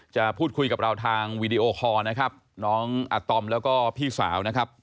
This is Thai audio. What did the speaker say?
จะพูดคุยกับเราทางวีดีโอคอร์นะครับน้องอาตอมแล้วก็พี่สาวนะครับ